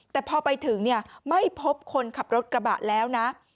แต่พอไปถึงไม่พบคนขับรถกระบะแล้วนะ